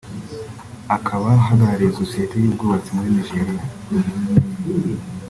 akaba ahagarariye societe y’ubwubatsi muri Nigeria